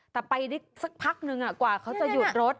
แต่ไปได้สักพักนึงกว่าเขาจะหยุดรถ